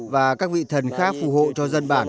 và các vị thần khác phù hộ